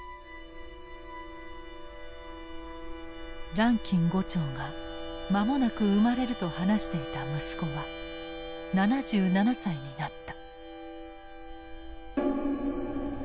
ランキン伍長が間もなく生まれると話していた息子は７７歳になった。